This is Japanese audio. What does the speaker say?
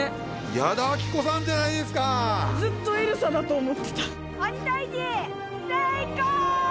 矢田亜希子さんじゃないですかずっとエルサだと思ってた鬼タイジ成功！